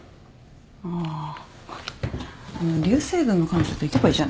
ああ流星群の彼女と行けばいいじゃないですか。